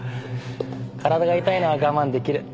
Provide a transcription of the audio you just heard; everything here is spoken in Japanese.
体が痛いのは我慢できる。